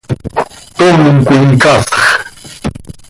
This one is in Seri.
¡Tom coi casx!